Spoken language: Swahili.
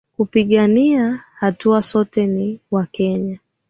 Kupingana hatuna, sote ni wakenya.